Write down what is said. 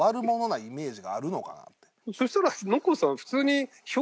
そしたら。